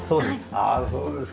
そうです。